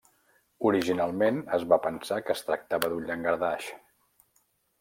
Originalment es va pensar que es tractava d'un llangardaix.